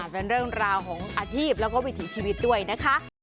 เป็นเรื่องราวของอาชีพแล้วก็วิถีชีวิตด้วยนะคะ